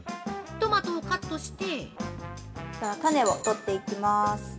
トマトをカットして◆種を取っていきまーす。